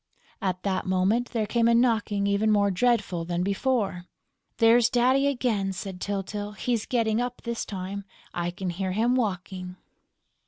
At that moment, there came a knocking even more dreadful than before. "There's Daddy again!" said Tyltyl. "He's getting up, this time; I can hear him walking...."